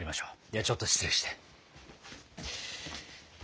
ではちょっと失礼して。